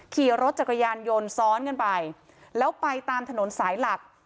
ขี่รถจักรยานยนต์ซ้อนกันไปแล้วไปตามถนนสายหลัก